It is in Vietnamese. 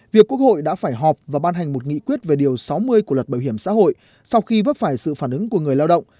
việc quốc hội đã phải họp và ban hành một nghị quyết về điều sáu mươi của luật bảo hiểm xã hội sau khi vấp phải sự phản ứng của người lao động